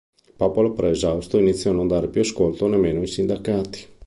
Il popolo però esausto, iniziò a non dare più ascolto nemmeno ai sindacati.